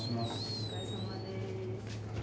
お疲れさまです。